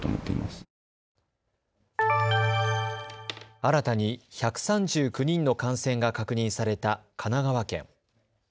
新たに１３９人の感染が確認された神奈川県。